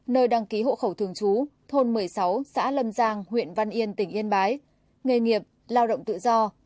nơi đăng ký hộ khẩu thường trú thôn một mươi sáu xã lâm giang huyện văn yên tỉnh yên bái nghề nghiệp lao động tự do